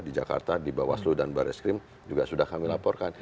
di jakarta di bawaslu dan baris krim juga sudah kami laporkan